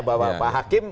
bahwa pak hakim